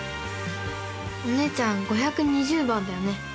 お姉ちゃん５２０番だよね？